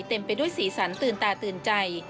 เต็มไปด้วยสีสันตื่นตาตื่นใจ